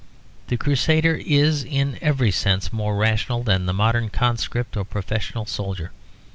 The Crusader is in every sense more rational than the modern conscript or professional soldier.